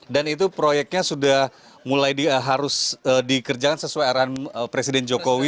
dan itu proyeknya sudah mulai harus dikerjakan sesuai arahan presiden jokowi